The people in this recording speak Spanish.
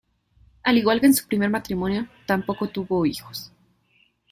Al igual que en su primer matrimonio, tampoco tuvo hijos.